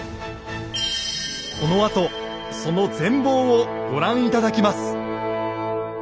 このあとその全貌をご覧頂きます。